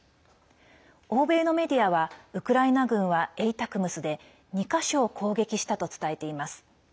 欧米のメディアはウクライナ軍はＡＴＡＣＭＳで２か所を攻撃したと伝えています。